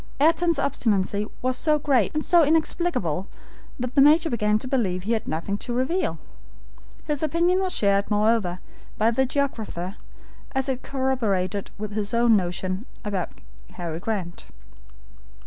Ayrton's obstinacy was so great, and so inexplicable, that the Major began to believe he had nothing to reveal. His opinion was shared, moreover, by the geographer, as it corroborated his own notion about Harry Grant.